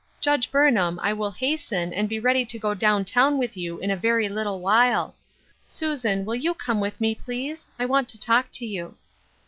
" Judge Burnham, I will hasten, and be ready to go down town with you in a very little while. Susan, will you come with me, please ? I want to talk to you."